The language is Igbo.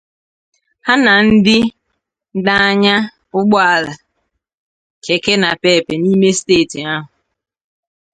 ha na ndị na-anyà ụgbọala Keke Napep n'ime steeti ahụ.